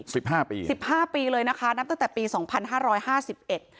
สิบห้าปีสิบห้าปีเลยนะคะนับตั้งแต่ปีสองพันห้าร้อยห้าสิบเอ็ด